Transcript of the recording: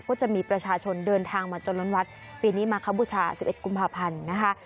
ก็จะมีประชาชนเดินทางมาจนล้นวัดปีนี้มาครับบูชา๑๑กุมภาพันธ์นะคะ